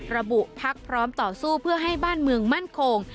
พักพร้อมต่อสู้เพื่อให้บ้านเมืองมั่นคง